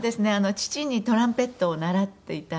父にトランペットを習っていたんで。